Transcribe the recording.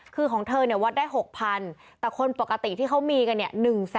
คือของเธอเนี่ยวัดได้๖๐๐๐แต่คนปกติที่เขามีกันเนี่ย